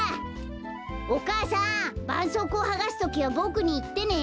お母さんばんそうこうをはがすときはボクにいってね。